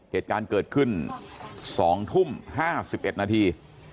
เหตุการณ์เกิดขึ้น๒ทุ่ม๕๑นาที